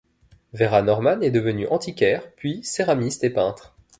Vera Norman est devenu antiquaire puis céramiste et peintre.